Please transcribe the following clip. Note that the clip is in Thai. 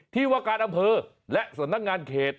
ที่ว่าการอำเภอและสำนักงานเขต